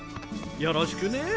よろしくね。